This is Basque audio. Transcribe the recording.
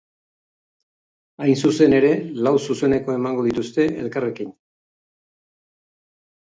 Hain zuzen ere, lau zuzeneko emango dituzte elkarrekin.